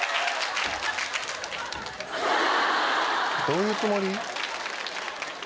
どういうつもり？